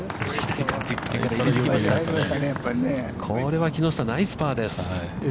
これは木下、ナイスパーです。